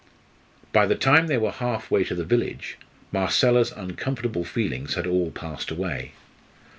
By the time they were half way to the village, Marcella's uncomfortable feelings had all passed away.